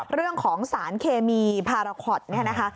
เรื่องของสารเคมีพาราคอตเนี่ยนะคะ